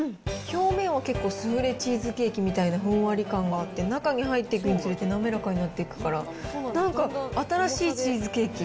表面は結構スフレチーズケーキみたいなふんわり感があって、中に入っていくにつれて滑らかになっていくから、なんか新しいチーズケーキ。